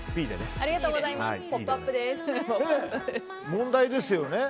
問題ですよね。